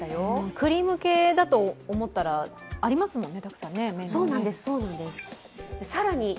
クリーム系だと思ったら、メニュー、たくさんありますもんね。